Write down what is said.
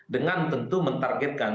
dengan tentu mentargetkan